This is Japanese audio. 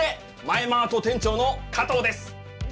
マエマート店長の加藤です。